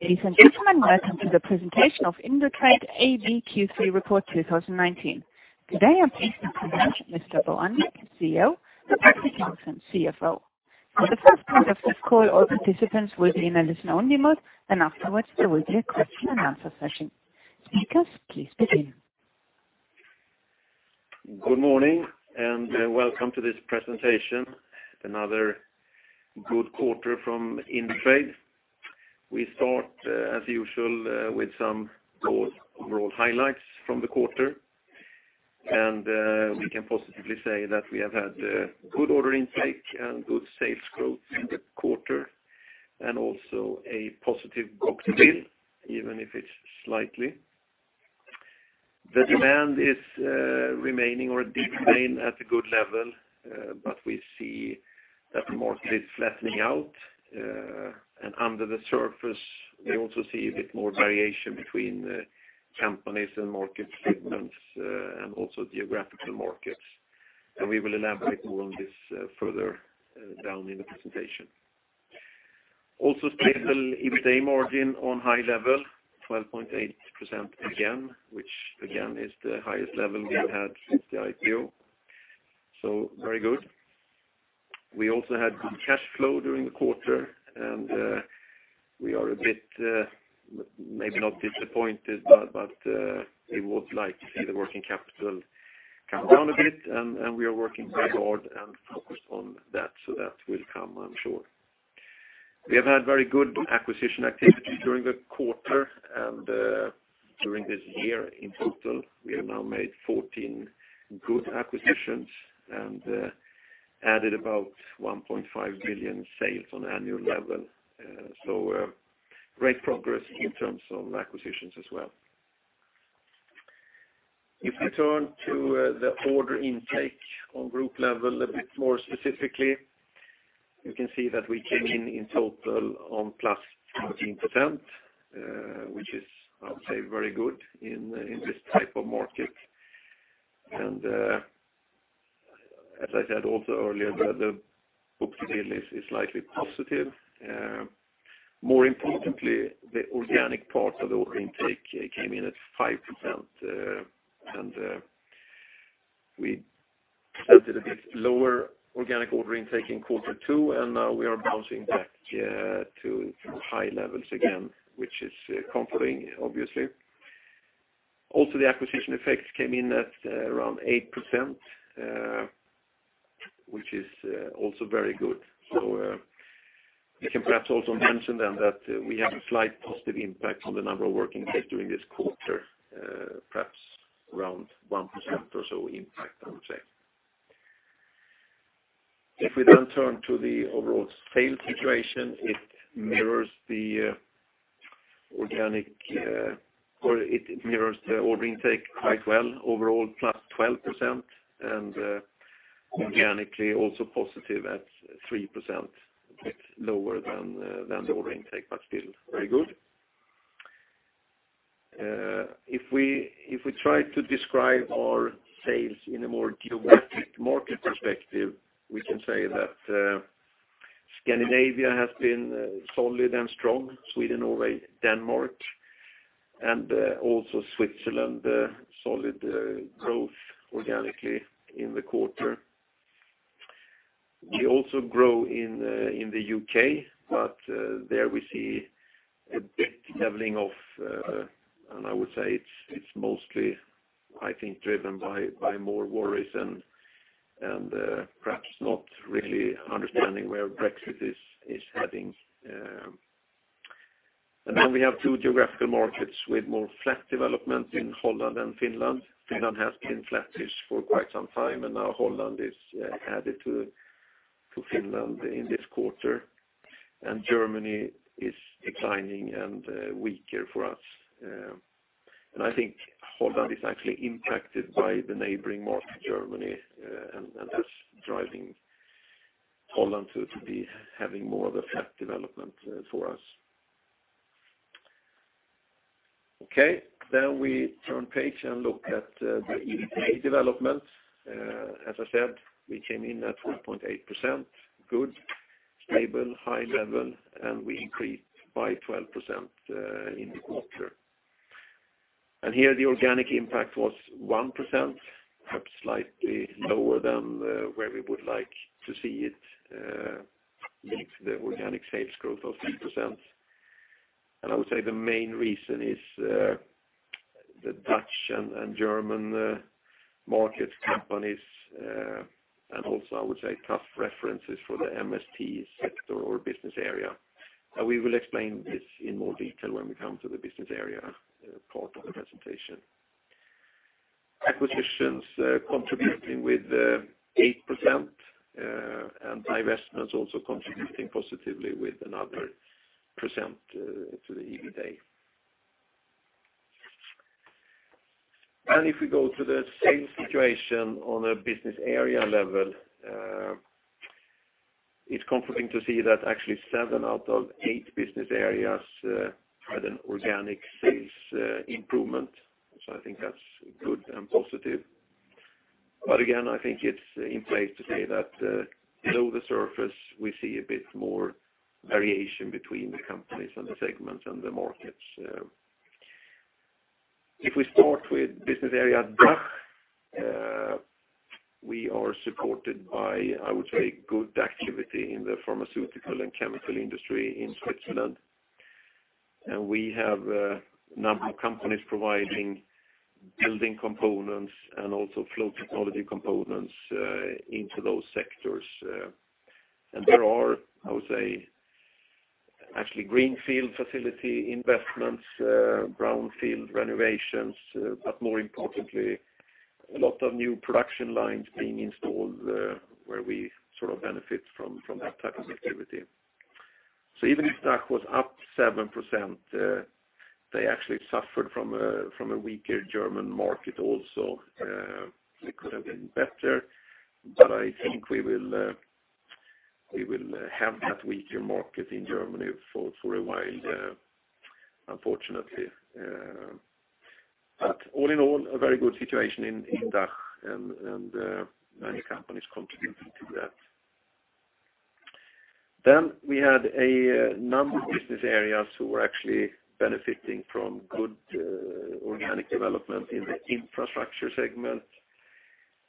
Ladies and gentlemen, welcome to the presentation of Indutrade AB Q3 Report 2019. Today, I'm pleased to present Mr. Bo Annvik, CEO, and Patrik Johnson, CFO. For the first part of this call, all participants will be in a listen only mode, and afterwards there will be a question and answer session. Speakers, please begin. Good morning, welcome to this presentation. Another good quarter from Indutrade. We start as usual with some broad highlights from the quarter. We can positively say that we have had good order intake and good sales growth in the quarter, also a positive book-to-bill. The demand is remaining or did remain at a good level, but we see that the market is flattening out. Under the surface, we also see a bit more variation between companies and market segments and also geographical markets. We will elaborate more on this further down in the presentation. Also stable EBITDA margin on high level, 12.8% again, which again is the highest level we had since the IPO. Very good. We also had good cash flow during the quarter, and we are a bit, maybe not disappointed, but we would like to see the working capital come down a bit, and we are working very hard and focused on that. That will come, I'm sure. We have had very good acquisition activity during the quarter and during this year in total. We have now made 14 good acquisitions and added about 1.5 billion sales on annual level. Great progress in terms of acquisitions as well. If you turn to the order intake on group level a bit more specifically, you can see that we came in in total on plus 13%, which is, I would say, very good in this type of market. As I said also earlier, the book-to-bill is slightly positive. More importantly, the organic part of the order intake came in at 5%, and we had a bit lower organic order intake in quarter two, and now we are bouncing back to high levels again, which is comforting, obviously. Also, the acquisition effects came in at around 8%, which is also very good. We can perhaps also mention then that we have a slight positive impact on the number of working days during this quarter, perhaps around 1% or so impact, I would say. If we then turn to the overall sales situation, it mirrors the order intake quite well. Overall, +12% and organically also positive at 3%, a bit lower than the order intake, but still very good. If we try to describe our sales in a more geographic market perspective, we can say that Scandinavia has been solid and strong. Sweden, Norway, Denmark, and also Switzerland, solid growth organically in the quarter. We also grow in the U.K., but there we see a bit leveling off, and I would say it's mostly, I think, driven by more worries and perhaps not really understanding where Brexit is heading. Then we have two geographical markets with more flat development in Holland and Finland. Finland has been flattish for quite some time, and now Holland is added to Finland in this quarter. Germany is declining and weaker for us. I think Holland is actually impacted by the neighboring market, Germany, and that's driving Holland to be having more of a flat development for us. Okay, then we turn page and look at the EBITDA developments. As I said, we came in at 12.8%, good, stable, high level, and we increased by 12% in the quarter. Here the organic impact was 1%, perhaps slightly lower than where we would like to see it linked to the organic sales growth of 3%. I would say the main reason is the Dutch and German market companies, and also, I would say, tough references for the MST sector or business area. We will explain this in more detail when we come to the business area part of the presentation. Acquisitions contributing with 8%, and divestments also contributing positively with another percent to the EBITDA. If we go to the sales situation on a business area level, it's comforting to see that actually seven out of eight business areas had an organic sales improvement. I think that's good and positive. Again, I think it's in place to say that below the surface, we see a bit more variation between the companies and the segments and the markets. If we start with business area DACH, we are supported by, I would say, good activity in the pharmaceutical and chemical industry in Switzerland. We have a number of companies providing building components and also flow technology components into those sectors. There are, I would say, actually greenfield facility investments, brownfield renovations, but more importantly, a lot of new production lines being installed, where we benefit from that type of activity. Even if DACH was up 7%, they actually suffered from a weaker German market also. It could have been better, I think we will have that weaker market in Germany for a while, unfortunately. All in all, a very good situation in DACH and many companies contributing to that. We had a number of business areas who were actually benefiting from good organic development in the infrastructure segment,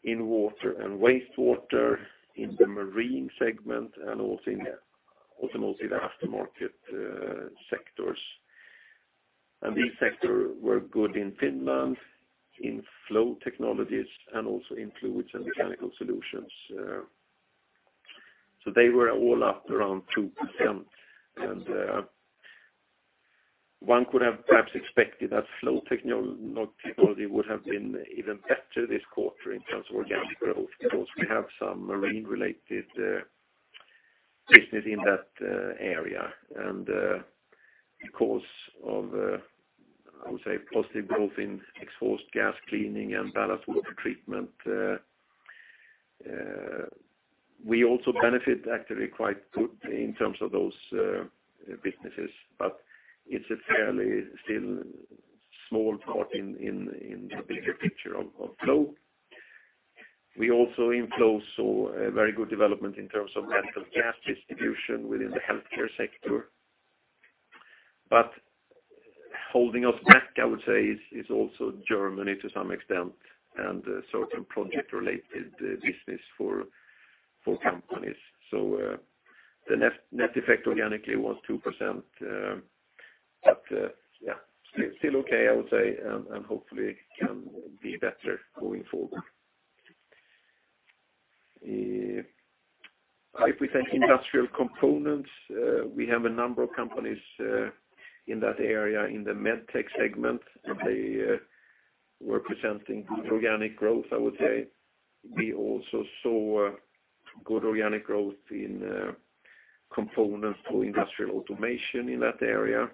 in water and wastewater, in the marine segment, and also in the aftermarket sectors. These sector were good in Finland, in Flow Technology, and also in Fluids & Mechanical Solutions. They were all up around 2%. One could have perhaps expected that Flow Technology would have been even better this quarter in terms of organic growth, because we have some marine-related business in that area, and because of, I would say, positive growth in exhaust gas cleaning and ballast water treatment. We also benefit actually quite good in terms of those businesses, but it's a fairly still small part in the bigger picture of flow. We also, in flow, saw a very good development in terms of medical gas distribution within the healthcare sector. Holding us back, I would say, is also Germany to some extent, and certain project-related business for companies. The net effect organically was 2%, but still okay, I would say, and hopefully can be better going forward. If we take Industrial Components, we have a number of companies in that area in the MedTech segment, and they were presenting good organic growth, I would say. We also saw good organic growth in components for industrial automation in that area.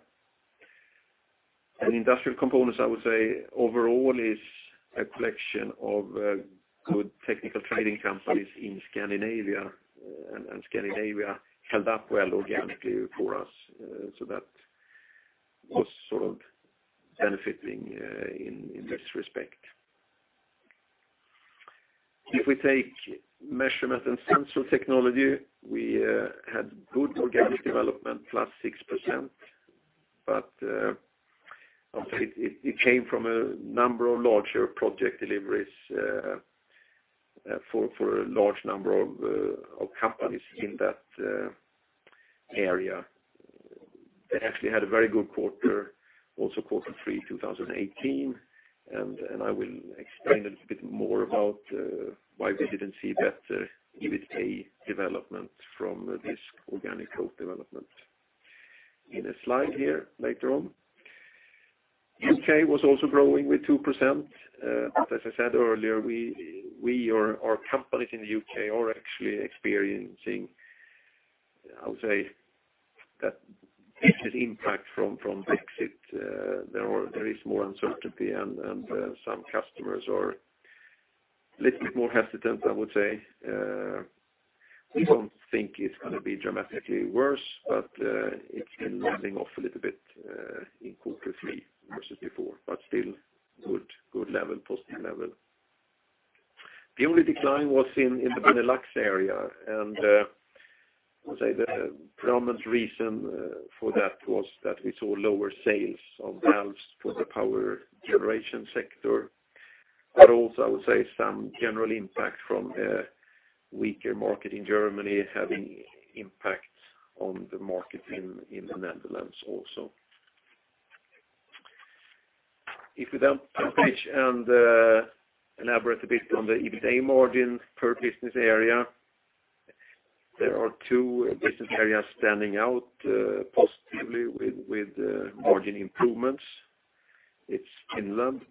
Industrial Components, I would say, overall is a collection of good technical trading companies in Scandinavia, and Scandinavia held up well organically for us, so that was benefiting in this respect. If we take Measurement & Sensor Technology, we had good organic development, +6%, it came from a number of larger project deliveries for a large number of companies in that area. They actually had a very good quarter, also quarter three 2018, I will explain a little bit more about why we didn't see better EBITDA development from this organic growth development in a slide here later on. U.K. was also growing with 2%, as I said earlier, our companies in the U.K. are actually experiencing, I would say, that business impact from Brexit. There is more uncertainty, some customers are a little bit more hesitant, I would say. We don't think it's going to be dramatically worse, it's been leveling off a little bit in quarter three versus before, still good level, positive level. The only decline was in the Benelux area, and I would say the predominant reason for that was that we saw lower sales of valves for the power generation sector. Also, I would say some general impact from a weaker market in Germany having impact on the market in the Netherlands also. If we then switch and elaborate a bit on the EBITDA margin per business area, there are two business areas standing out positively with margin improvements. It's Finland.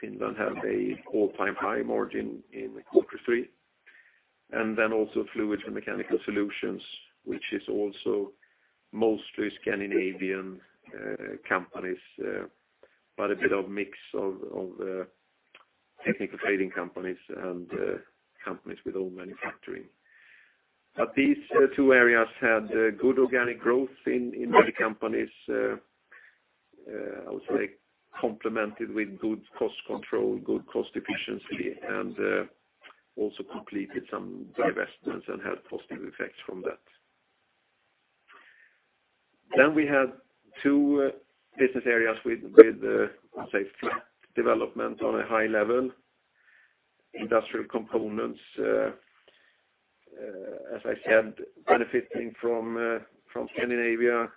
Finland had a all-time high margin in quarter three, and then also Fluids & Mechanical Solutions, which is also mostly Scandinavian companies, but a bit of mix of technical trading companies and companies with own manufacturing. These two areas had good organic growth in many companies, I would say complemented with good cost control, good cost efficiency, and also completed some divestments and had positive effects from that. We had two business areas with, I would say, flat development on a high level. Industrial Components, as I said, benefiting from Scandinavia,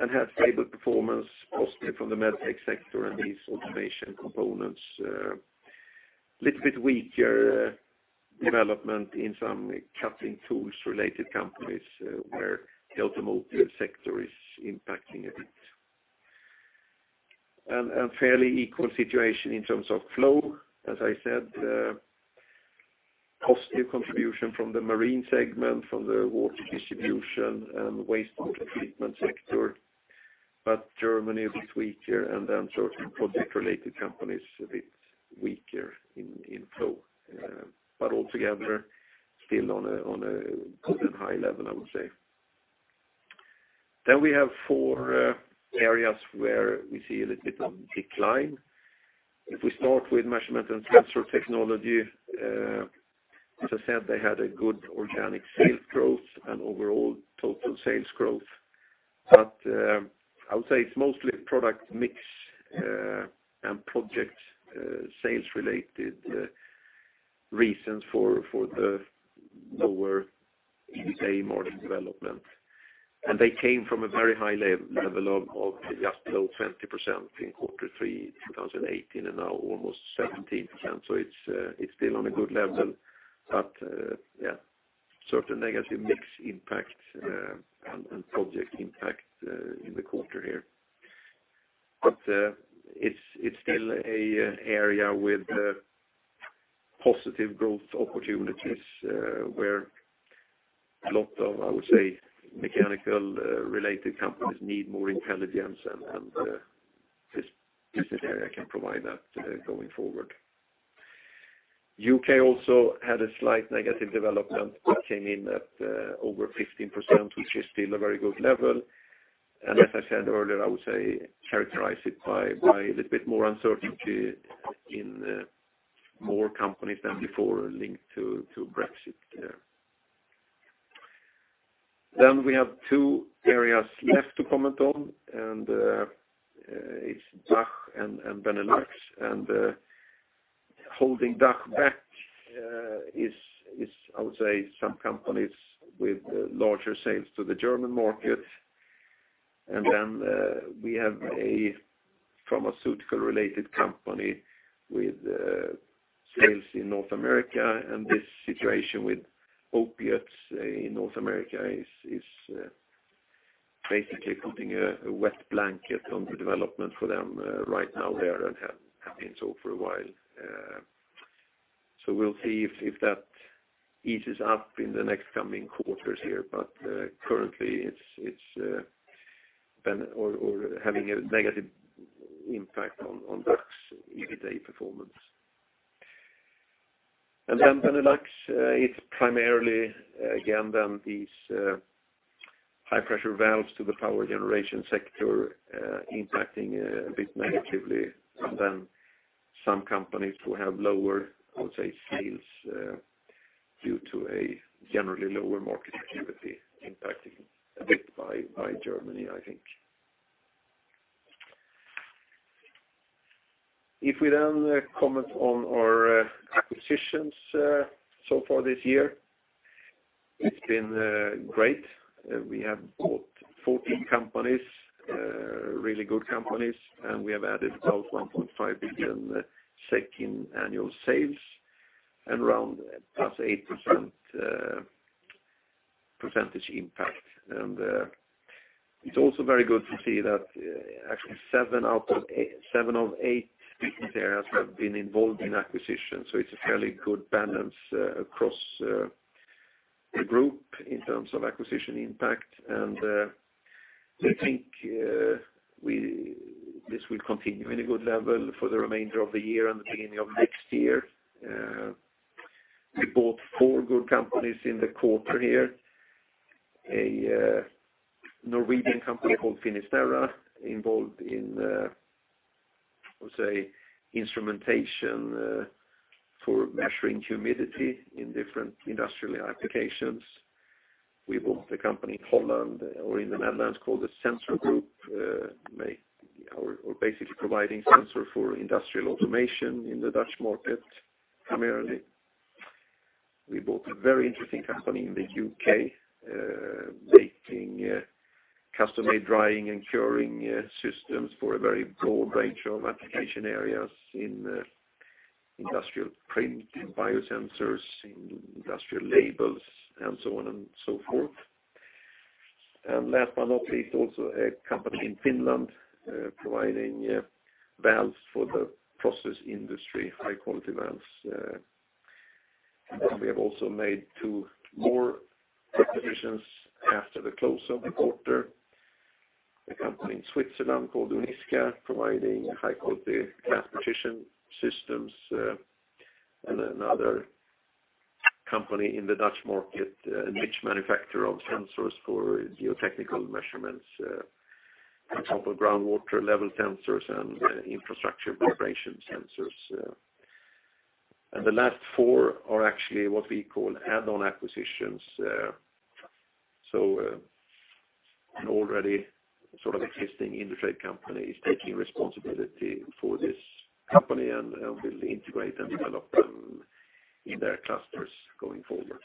and had favorable performance, possibly from the MedTech sector and these automation components. Little bit weaker development in some cutting tools-related companies where the automotive sector is impacting a bit. Fairly equal situation in terms of flow. As I said, positive contribution from the marine segment, from the water distribution and wastewater treatment sector. Germany a bit weaker and then certain project-related companies a bit weaker in flow. Altogether, still on a good and high level, I would say. We have four areas where we see a little bit of decline. If we start with Measurement & Sensor Technology, as I said, they had a good organic sales growth and overall total sales growth. I would say it's mostly product mix and project sales-related reasons for the lower EBITDA margin development. They came from a very high level of just below 20% in Q3 2018, and now almost 17%. It's still on a good level, but certain negative mix impact and project impact in the quarter here. It's still an area with positive growth opportunities, where a lot of, I would say, mechanical-related companies need more intelligence, and this area can provide that going forward. U.K. also had a slight negative development, but came in at over 15%, which is still a very good level. As I said earlier, I would characterize it by a little bit more uncertainty in more companies than before linked to Brexit. We have two areas left to comment on, and it's DACH and Benelux. Holding DACH back is, I would say, some companies with larger sales to the German market. We have a pharmaceutical-related company with sales in North America. This situation with opiates in North America is basically putting a wet blanket on the development for them right now there and has been so for a while. We'll see if that eases up in the next coming quarters here, but currently it's having a negative impact on DACH's EBITDA performance. Benelux, it's primarily, again, these high-pressure valves to the power generation sector impacting a bit negatively. Some companies who have lower, I would say, sales due to a generally lower market activity impacting a bit by Germany, I think. If we then comment on our acquisitions so far this year, it's been great. We have bought 14 companies, really good companies, we have added about 1.5 billion in annual sales and around +8% impact. It's also very good to see that actually seven of eight business areas have been involved in acquisitions. It's a fairly good balance across the group in terms of acquisition impact. We think this will continue in a good level for the remainder of the year and the beginning of next year. We bought four good companies in the quarter here. A Norwegian company called Finisterra, involved in, I would say, instrumentation for measuring humidity in different industrial applications. We bought a company in Holland or in the Netherlands called the Sensor Group, basically providing sensor for industrial automation in the Dutch market primarily. We bought a very interesting company in the U.K., making custom-made drying and curing systems for a very broad range of application areas in industrial print and biosensors, in industrial labels and so on and so forth. Last but not least, also a company in Finland providing valves for the process industry, high-quality valves. We have also made two more acquisitions after the close of the quarter. A company in Switzerland called Uniska, providing high-quality transportation systems. Another company in the Dutch market, a niche manufacturer of sensors for geotechnical measurements. For example, groundwater level sensors and infrastructure vibration sensors. The last four are actually what we call add-on acquisitions. An already existing Indutrade company is taking responsibility for this company and will integrate and develop them in their clusters going forward.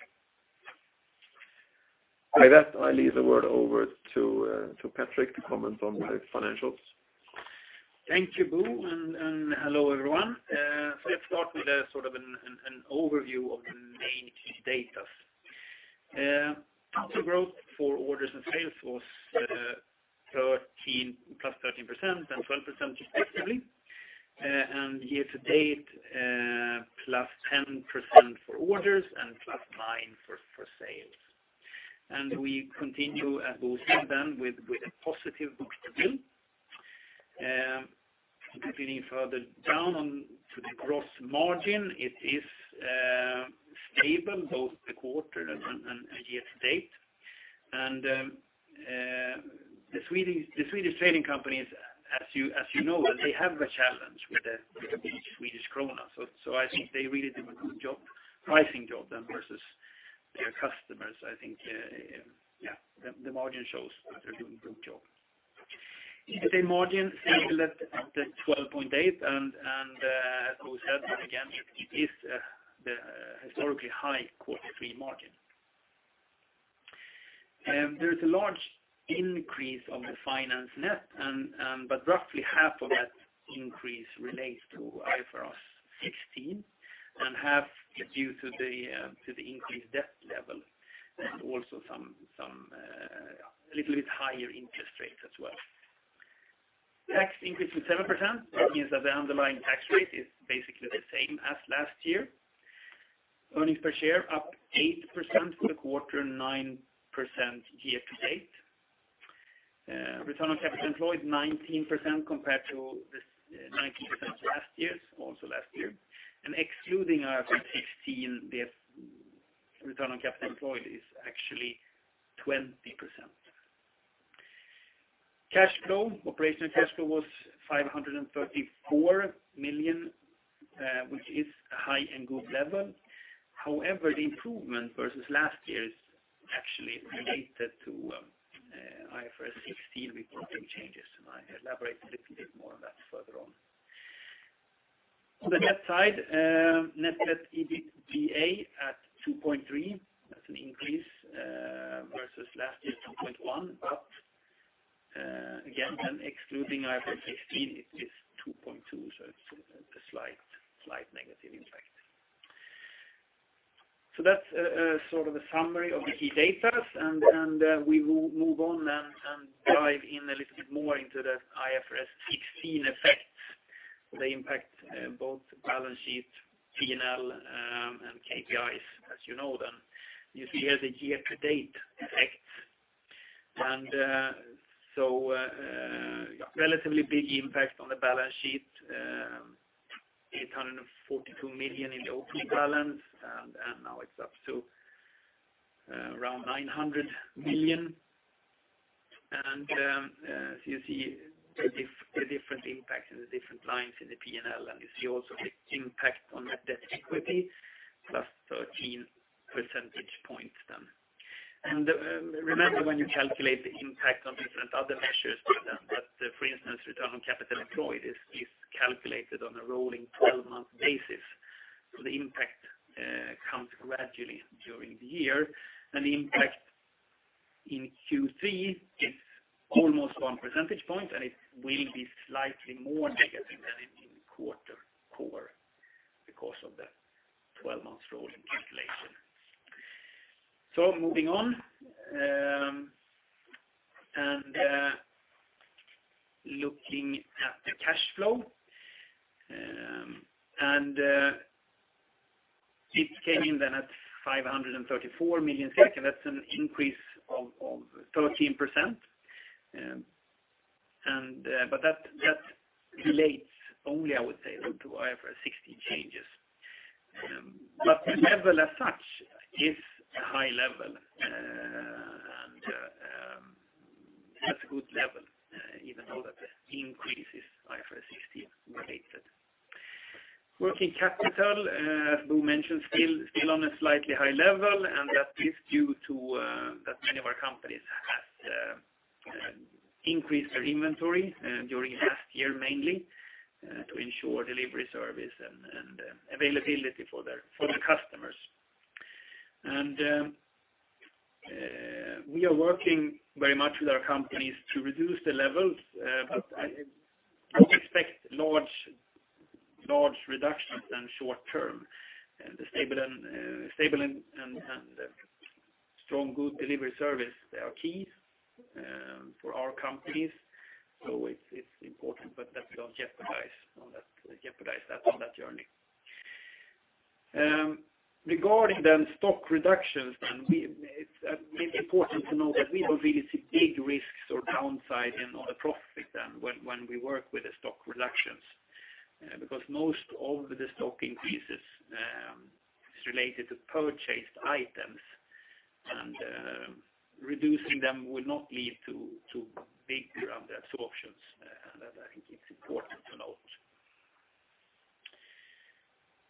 With that, I leave the word over to Patrik to comment on the financials. Thank you, Bo. Hello, everyone. Let's start with an overview of the main key data. Quarter growth for orders and sales was +13% and 12% respectively. Year to date, +10% for orders and +9% for sales. We continue, as Bo said then, with a positive book-to-bill. Looking further down to the gross margin, it is stable both the quarter and year to date. The Swedish trading companies, as you know, they have a challenge with the Swedish krona. I think they really do a good pricing job then versus their customers. I think the margin shows that they are doing a good job. EBITDA margin stable at 12.8% and, as Bo said again, it is the historically high quarter three margin. There is a large increase of the finance net, but roughly half of that increase relates to IFRS 16, and half is due to the increased debt level, and also a little bit higher interest rates as well. Tax increased to 7%, which means that the underlying tax rate is basically the same as last year. Earnings per share up 8% for the quarter, 9% year to date. Return on capital employed 19% compared to the 19% also last year. Excluding IFRS 16, the return on capital employed is actually 20%. Operational cash flow was 534 million, which is a high and good level. However, the improvement versus last year is actually related to IFRS 16 reporting changes, and I elaborate a little bit more on that further on. On the net side, net debt EBITDA at 2.3. That's an increase versus last year's 2.1. Again, excluding IFRS 16, it is 2.2. It's a slight negative impact. That's the summary of the key data. We will move on and dive in a little bit more into the IFRS 16 effects. They impact both balance sheet, P&L, and KPIs, as you know them. You see here the year-to-date effects. A relatively big impact on the balance sheet. 842 million in the opening balance. Now it's up to around 900 million. As you see the different impacts in the different lines in the P&L. You see also the impact on net debt equity, +13 percentage points then. Remember when you calculate the impact on different other measures for them that, for instance, return on capital employed is calculated on a rolling 12-month basis. The impact comes gradually during the year. An impact in Q3 is almost one percentage point, and it will be slightly more negative than in quarter four because of the 12-month rolling calculation. Moving on, looking at the cash flow. It came in at 534 million, and that's an increase of 13%. That relates only, I would say, to IFRS 16 changes. The level as such is a high level and at a good level, even though the increase is IFRS 16 related. Working capital, as Bo mentioned, still on a slightly high level, and that is due to that many of our companies have increased their inventory during last year, mainly to ensure delivery service and availability for the customers. We are working very much with our companies to reduce the levels, but I don't expect large reductions in short term. Stable and strong good delivery service, they are keys for our companies. It's important that we don't jeopardize that on that journey. Regarding stock reductions, it's important to know that we don't really see big risks or downside on the profit side when we work with the stock reductions. Because most of the stock increases is related to purchased items, and reducing them will not lead to big absorptions. That, I think it's important to note.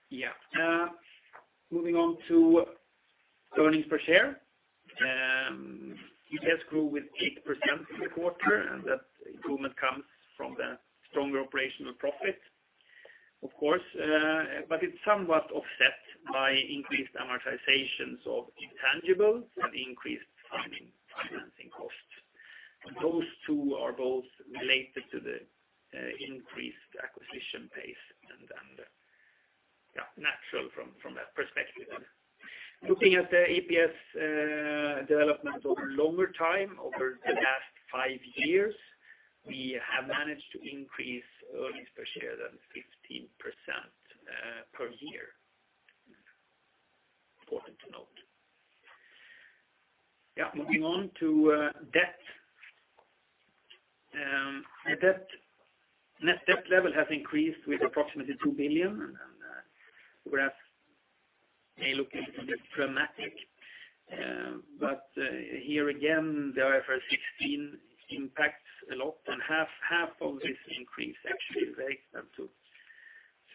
Yeah. Moving on to earnings per share. EPS grew with 8% in the quarter, and that improvement comes from the stronger operational profit, of course, but it's somewhat offset by increased amortizations of intangibles and increased financing costs. Those two are both related to the increased acquisition pace and are natural from that perspective. Looking at the EPS development over a longer time, over the last five years, we have managed to increase earnings per share at 15% per year. Important to note. Yeah, moving on to debt. Net debt level has increased with approximately 2 billion, perhaps may look a bit dramatic. Here again, the IFRS 16 impacts a lot, and half of this increase actually relates then to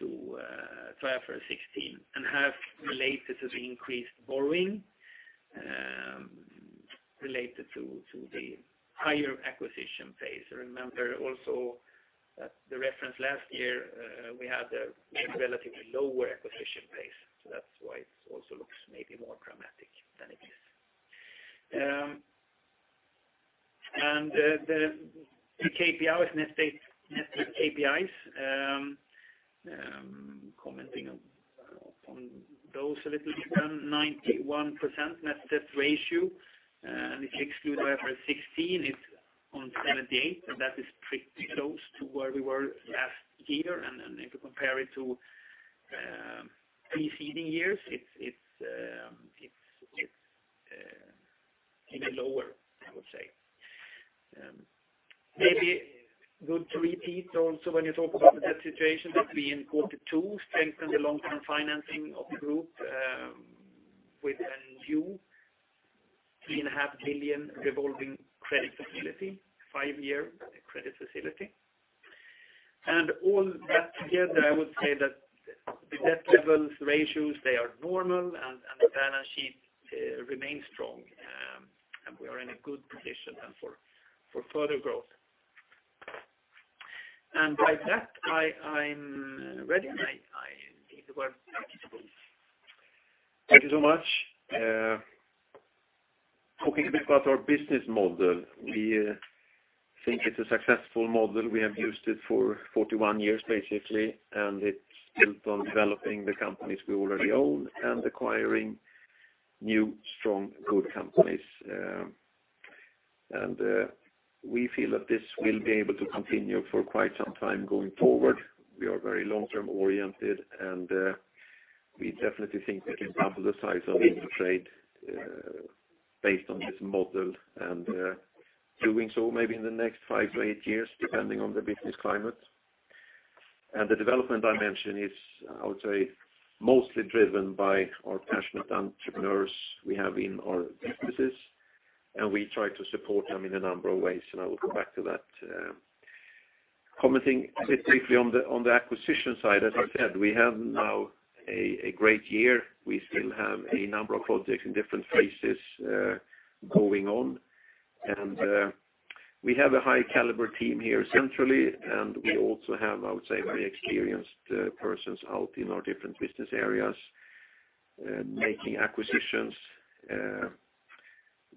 IFRS 16, and half relates to the increased borrowing related to the higher acquisition phase. Remember also the reference last year, we had a relatively lower acquisition pace, that's why it also looks maybe more dramatic than it is. The net debt KPIs, commenting on those a little bit. 91% net debt ratio, and if you exclude IFRS 16, it's on 78%, and that is pretty close to where we were last year. If you compare it to preceding years, it's even lower, I would say. Maybe good to repeat also when you talk about the debt situation that we, in quarter two, strengthened the long-term financing of the group with a new 3.5 billion revolving credit facility, five-year credit facility. All that together, I would say that the debt levels ratios, they are normal, and the balance sheet remains strong, and we are in a good position for further growth. By that, I'm ready, and I give the word to Kristoffer. Thank you so much. Talking a bit about our business model, we think it's a successful model. We have used it for 41 years, basically, and it's built on developing the companies we already own and acquiring new, strong, good companies. We feel that this will be able to continue for quite some time going forward. We are very long-term oriented, and we definitely think we can double the size of Indutrade based on this model, and doing so maybe in the next five to eight years, depending on the business climate. The development I mentioned is, I would say, mostly driven by our passionate entrepreneurs we have in our businesses, and we try to support them in a number of ways, and I will come back to that. Commenting a bit briefly on the acquisition side, as I said, we have now a great year. We still have a number of projects in different phases going on, and we have a high-caliber team here centrally, and we also have, I would say, very experienced persons out in our different business areas making acquisitions.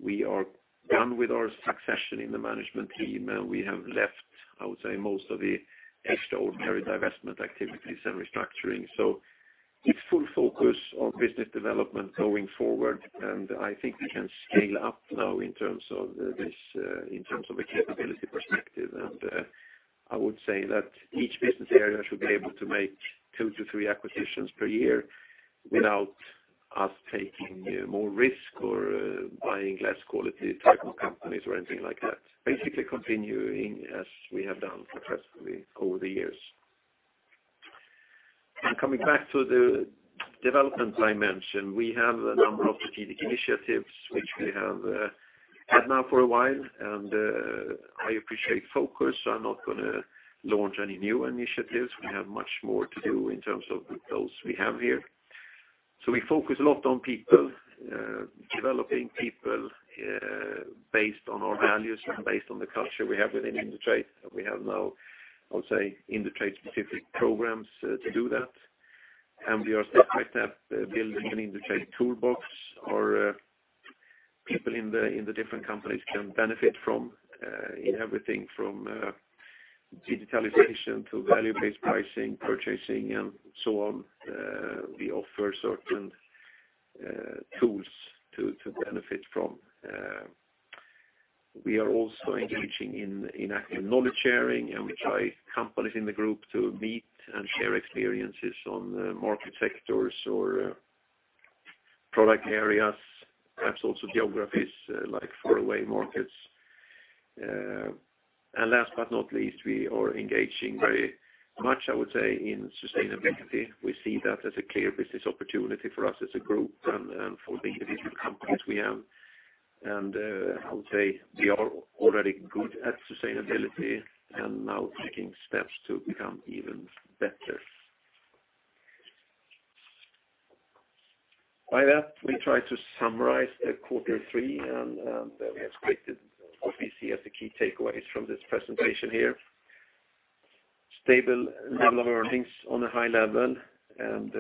We are done with our succession in the management team, and we have left, I would say, most of the extraordinary divestment activities and restructuring. It's full focus on business development going forward, and I think we can scale up now in terms of a capability perspective. I would say that each business area should be able to make two to three acquisitions per year without us taking more risk or buying less quality type of companies or anything like that. Basically continuing as we have done successfully over the years. Coming back to the developments I mentioned, we have a number of strategic initiatives which we have had now for a while, and I appreciate focus, so I'm not going to launch any new initiatives. We have much more to do in terms of those we have here. We focus a lot on people, developing people based on our values and based on the culture we have within Indutrade. We have now, I would say, Indutrade-specific programs to do that, and we are step by step building an Indutrade toolbox our people in the different companies can benefit from in everything from digitalization to value-based pricing, purchasing, and so on. We offer certain tools to benefit from. We are also engaging in active knowledge sharing, and we try companies in the group to meet and share experiences on market sectors or product areas, perhaps also geographies like faraway markets. Last but not least, we are engaging very much, I would say, in sustainability. We see that as a clear business opportunity for us as a group and for the individual companies we have. I would say we are already good at sustainability and now taking steps to become even better. By that, we try to summarize the quarter three, and then we have created what we see as the key takeaways from this presentation here. Stable level of earnings on a high level, and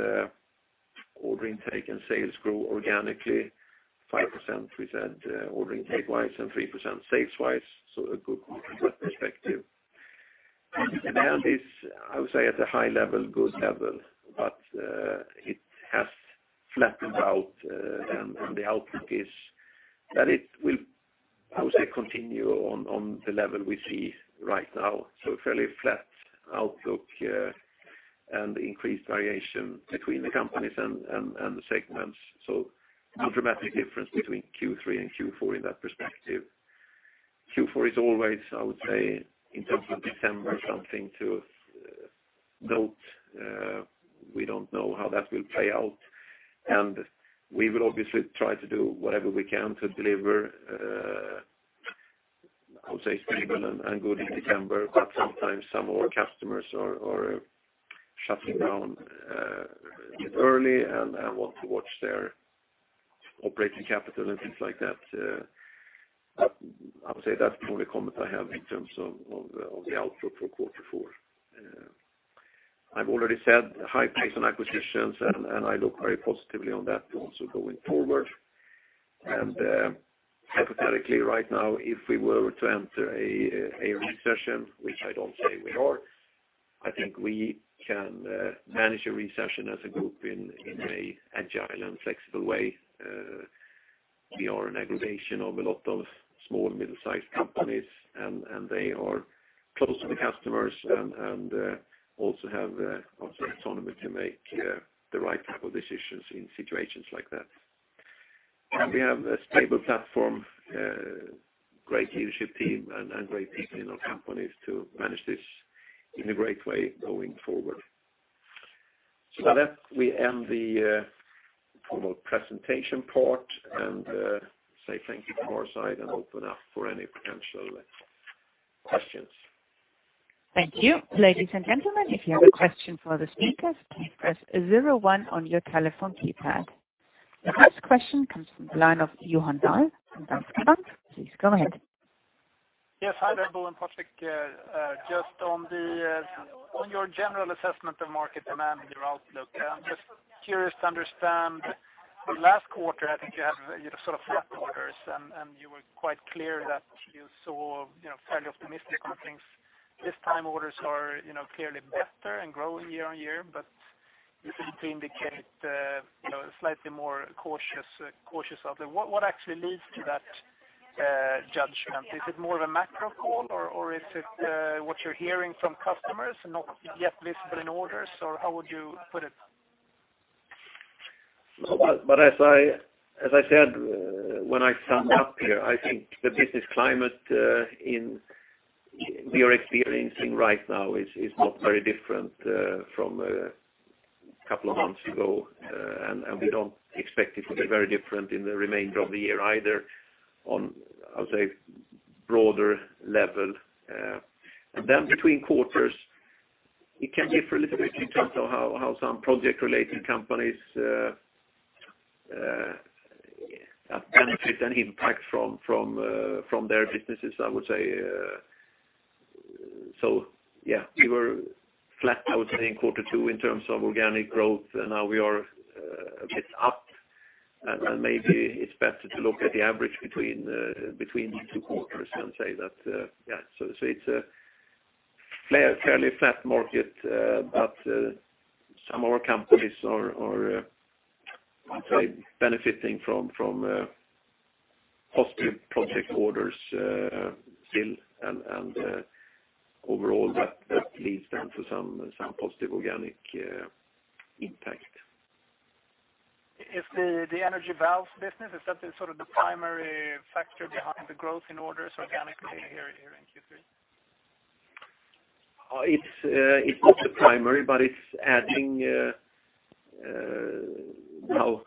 order intake and sales grow organically, 5% we said order intake wise and 3% sales wise. A good quarter from that perspective. Demand is, I would say, at a high level, good level, but it has flattened out, and the outlook is that it will, I would say, continue on the level we see right now. Fairly flat outlook and increased variation between the companies and the segments. No dramatic difference between Q3 and Q4 in that perspective. Q4 is always, I would say, in terms of December, something to note. We don't know how that will play out, and we will obviously try to do whatever we can to deliver, I would say, stable and good in December. Sometimes some of our customers are shutting down early and want to watch their operating capital and things like that. I would say that's the only comment I have in terms of the outlook for quarter four. I've already said high pace on acquisitions, and I look very positively on that also going forward. Hypothetically, right now, if we were to enter a recession, which I don't say we are, I think we can manage a recession as a group in an agile and flexible way. We are an aggregation of a lot of small and middle-sized companies, and they are close to the customers and also have autonomy to make the right type of decisions in situations like that. We have a stable platform, a great leadership team, and great people in our companies to manage this in a great way going forward. With that, we end the formal presentation part and say thank you from our side and open up for any potential questions. Thank you. Ladies and gentlemen, if you have a question for the speakers, please press zero one on your telephone keypad. The first question comes from the line of Johan Dahl, from Danske Bank. Please go ahead. Yes. Hi there, Bo and Patrik. Just on your general assessment of market demand and your outlook, I'm just curious to understand. The last quarter, I think you had sort of flat orders, and you were quite clear that you saw fairly optimistic on things. This time orders are clearly better and growing year-over-year, but you seem to indicate slightly more cautious of it. What actually leads to that judgment? Is it more of a macro call, or is it what you're hearing from customers not yet visible in orders, or how would you put it? As I said, when I sum up here, I think the business climate we are experiencing right now is not very different from a couple of months ago, and we don't expect it to be very different in the remainder of the year either on, I would say, broader level. Between quarters, it can differ a little bit in terms of how some project-related companies have benefit and impact from their businesses, I would say. Yeah, we were flat, I would say, in quarter two in terms of organic growth. Now we are a bit up, and maybe it's better to look at the average between these two quarters and say that. It's a fairly flat market, but some of our companies are, I would say, benefiting from positive project orders still, and overall that leads then to some positive organic impact. Is the energy valves business, is that the primary factor behind the growth in orders organically here in Q3? It's not the primary, but it's adding now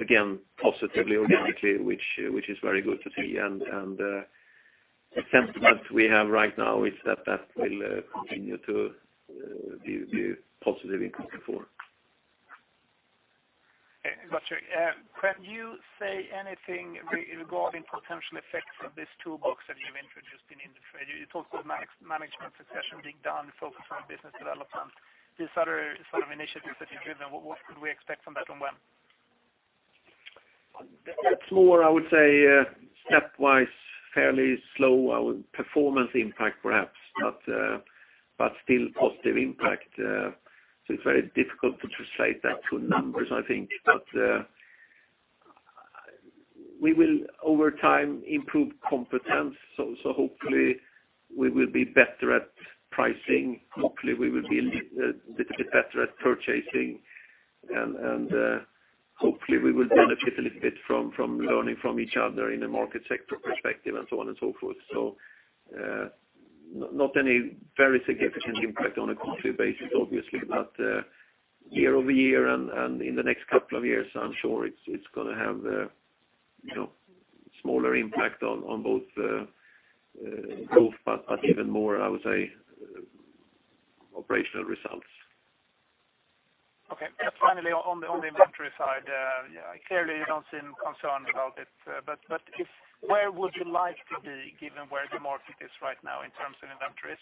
again, positively, organically, which is very good to see. The sentiment we have right now is that that will continue to be a positive input before. Got you. Can you say anything regarding potential effects of this toolbox that you've introduced in Indutrade? You talked about management succession being done, focus on business development. These other sort of initiatives that you've driven, what could we expect from that and when? That's more, I would say, stepwise, fairly slow performance impact perhaps, but still positive impact. It's very difficult to translate that to numbers, I think. We will over time improve competence. Hopefully, we will be better at pricing. Hopefully, we will be a little bit better at purchasing, and hopefully we will benefit a little bit from learning from each other in a market sector perspective, and so on and so forth. Not any very significant impact on a country basis, obviously, but year-over-year and in the next couple of years, I'm sure it's going to have a smaller impact on both growth, but even more, I would say, operational results. Okay. Finally, on the inventory side, clearly you don't seem concerned about it. Where would you like to be given where the market is right now in terms of inventories?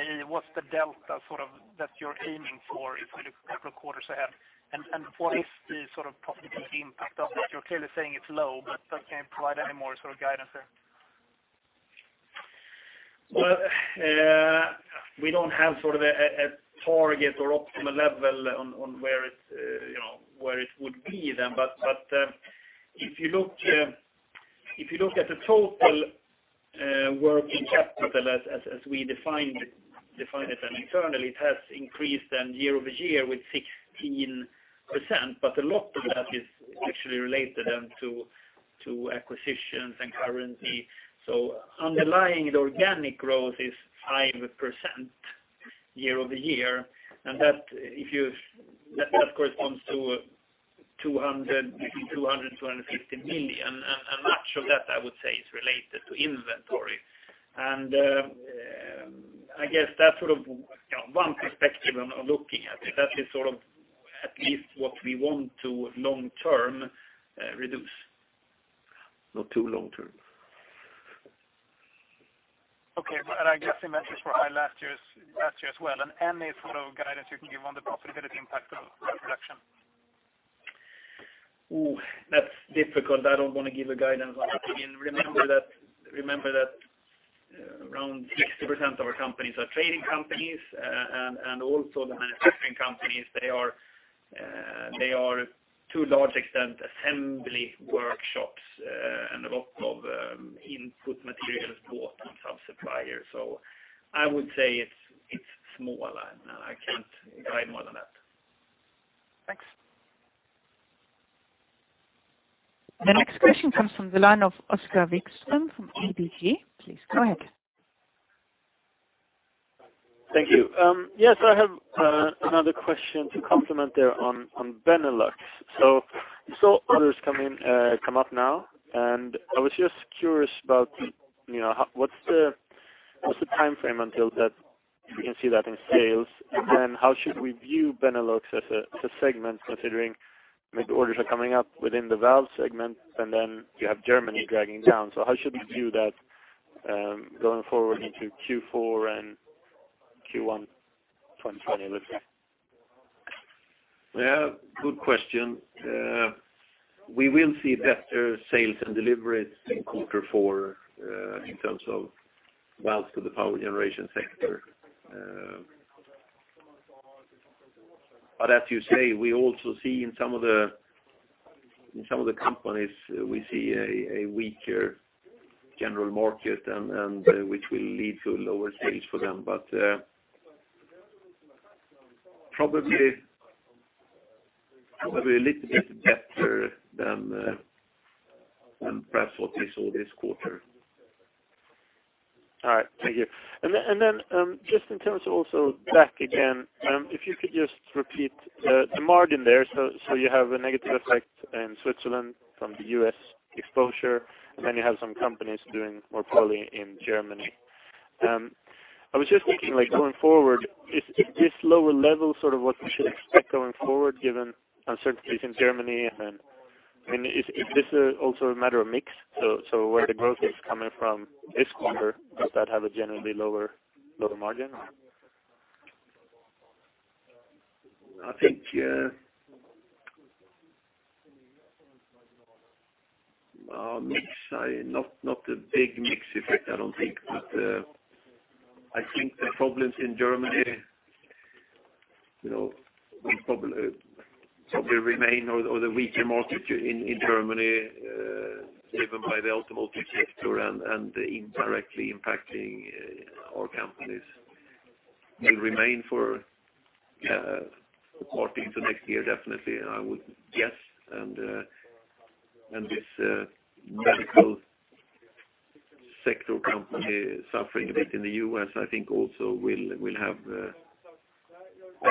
i.e., what's the delta that you're aiming for if we look a couple quarters ahead? What is the profitability impact of that? You're clearly saying it's low, but can you provide any more sort of guidance there? Well, we don't have a target or optimal level on where it would be then. If you look at the total working capital as we define it internally, it has increased then year-over-year with 16%, but a lot of that is actually related then to acquisitions and currency. Underlying the organic growth is 5% year-over-year, and that corresponds to between 200 million and 250 million, and much of that, I would say, is related to inventory. I guess that's one perspective on looking at it. That is at least what we want to long-term reduce. Not too long-term. Okay. I guess inventories were high last year as well, and any sort of guidance you can give on the profitability impact of that reduction? That's difficult. I don't want to give a guidance on that. Remember that around 60% of our companies are trading companies, also the manufacturing companies, they are to a large extent, assembly workshops, and a lot of input material is bought from some supplier. I would say it's smaller, and I can't guide more than that. Thanks. The next question comes from the line of Oskar Vikström from ABG. Please go ahead. Thank you. Yes, I have another question to complement there on Benelux. Others come up now, and I was just curious about what's the timeframe until we can see that in sales, and then how should we view Benelux as a segment, considering the orders are coming up within the valve segment, and then you have Germany dragging down. How should we view that going forward into Q4 and Q1 2020, let's say? Yeah, good question. We will see better sales and deliveries in quarter four in terms of valves to the power generation sector. As you say, we also see in some of the companies, we see a weaker general market, and which will lead to lower sales for them. Probably a little bit better than perhaps what we saw this quarter. All right, thank you. Just in terms of also Bo, again, if you could just repeat the margin there? You have a negative effect in Switzerland from the U.S. exposure, and then you have some companies doing more poorly in Germany. I was just thinking, going forward, is this lower level sort of what we should expect going forward given uncertainties in Germany, and then is this also a matter of mix? Where the growth is coming from this quarter, does that have a generally lower margin? I think not a big mix effect, I don't think. I think the problems in Germany will probably remain, or the weaker market in Germany driven by the automotive sector and indirectly impacting our companies will remain for the part into next year, definitely, I would guess. This medical sector company suffering a bit in the U.S., I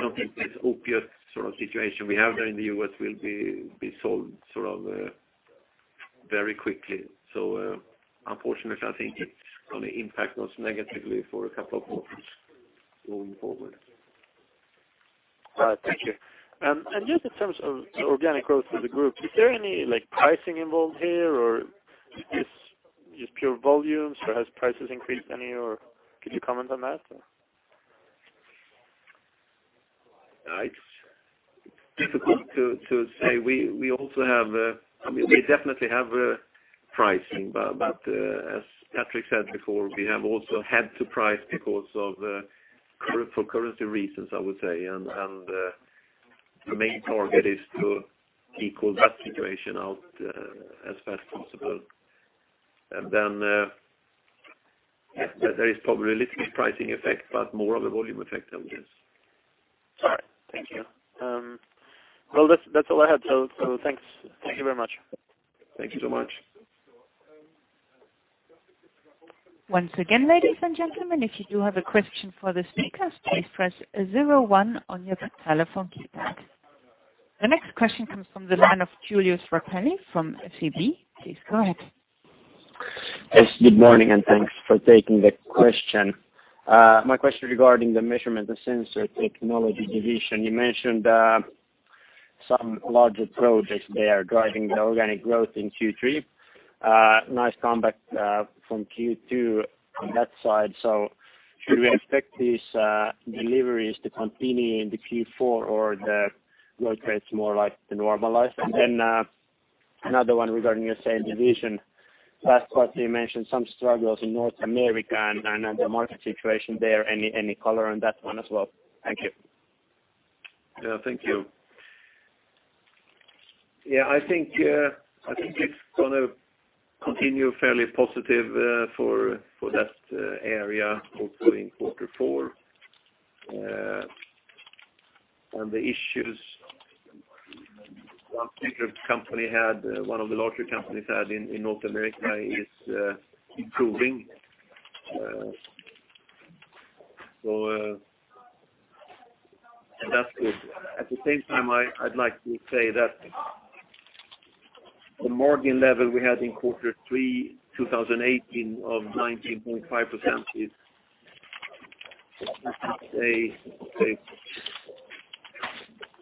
don't think this opiate sort of situation we have there in the U.S. will be solved very quickly. Unfortunately, I think it's going to impact us negatively for a couple of quarters going forward. Thank you. Just in terms of organic growth for the group, is there any pricing involved here, or is this just pure volumes, or has prices increased any, or could you comment on that? It's difficult to say. We definitely have pricing, but as Patrik said before, we have also had to price because of for currency reasons, I would say. The main target is to equal that situation out as fast as possible. Then there is probably a little pricing effect, but more of a volume effect than this. All right. Thank you. Well, that's all I had. Thanks. Thank you very much. Thank you so much. Once again, ladies and gentlemen, if you do have a question for the speakers, please press zero one on your telephone keypad. The next question comes from the line of Julius Rapeli from SEB. Please go ahead. Yes, good morning, and thanks for taking the question. My question regarding the Measurement & Sensor Technology division. You mentioned some larger projects there driving the organic growth in Q3. Nice comeback from Q2 on that side. Should we expect these deliveries to continue into Q4 or the growth rates more like to normalize? Another one regarding your same division. Last quarter, you mentioned some struggles in North America and the market situation there. Any color on that one as well? Thank you. Thank you. I think it's going to continue fairly positive for that area also in quarter four. On the issues one of the larger companies had in North America is improving. That's good. At the same time, I'd like to say that the margin level we had in quarter three 2018 of 19.5% is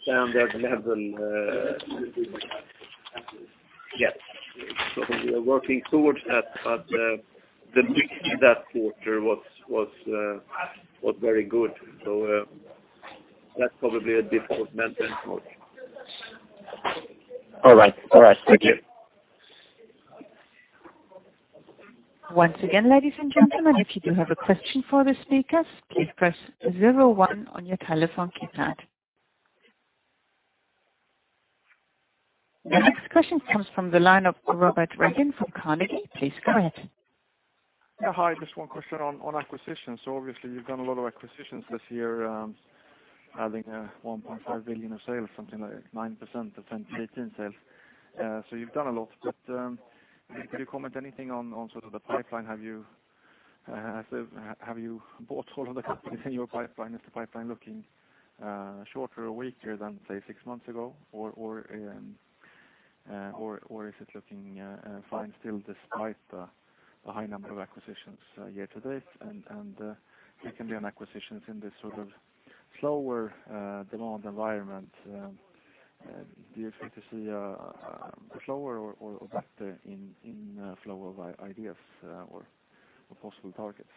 a standard level. Yes. We are working towards that, but the mix in that quarter was very good. That's probably a difficult metric. All right. Thank you. Once again, ladies and gentlemen, if you do have a question for the speakers, please press zero one on your telephone keypad. The next question comes from the line of Robert Redin from Carnegie. Please go ahead. Yeah, hi, just one question on acquisitions. Obviously you've done a lot of acquisitions this year, adding 1.5 billion of sales, something like 9% of 2018 sales. You've done a lot. Can you comment anything on sort of the pipeline? Have you bought all of the companies in your pipeline? Is the pipeline looking shorter or weaker than, say, six months ago? Is it looking fine still despite the high number of acquisitions year to date? Can be on acquisitions in this sort of slower demand environment. Do you expect to see a slower or better inflow of ideas or possible targets?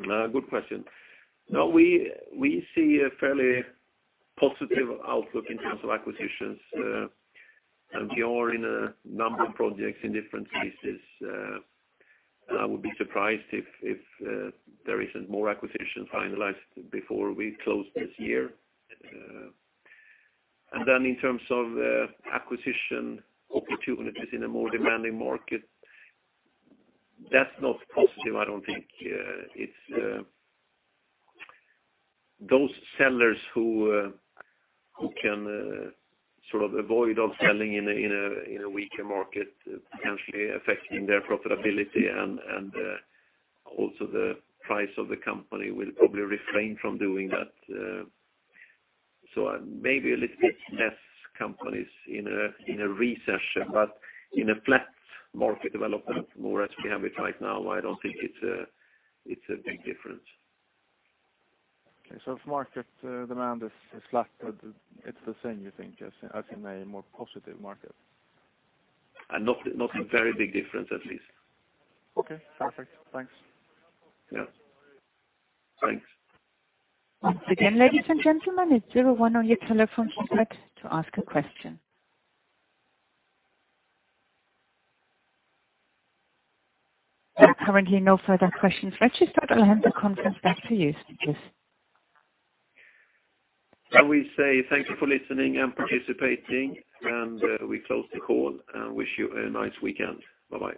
Good question. We see a fairly positive outlook in terms of acquisitions. We are in a number of projects in different phases. I would be surprised if there isn't more acquisitions finalized before we close this year. In terms of acquisition opportunities in a more demanding market, that's not positive, I don't think. Those sellers who can sort of avoid of selling in a weaker market potentially affecting their profitability and also the price of the company will probably refrain from doing that. Maybe a little bit less companies in a recession, in a flat market development more as we have it right now, I don't think it's a big difference. Okay. If market demand is flat, but it's the same, you think, as in a more positive market. Not a very big difference, at least. Okay, perfect. Thanks. Yeah. Thanks. Once again, ladies and gentlemen, it's zero one on your telephone keypad to ask a question. There are currently no further questions registered. I'll hand the conference back to you, speakers. We say thank you for listening and participating, and we close the call and wish you a nice weekend. Bye-bye.